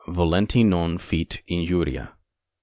Volenti non fit injuria.